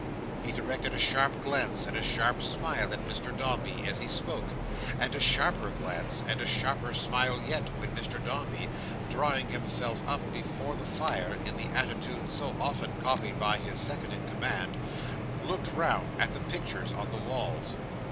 He directed a sharp glance and a sharp smile at Mr Dombey as he spoke, and a sharper glance, and a sharper smile yet, when Mr Dombey, drawing himself up before the fire, in the attitude so often copied by his second in command, looked round at the pictures on the walls.